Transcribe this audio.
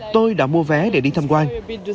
tôi đã mua vé để đi tham quan